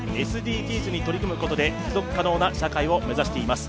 ＳＤＧｓに取り組むことで持続可能な社会を目指しています。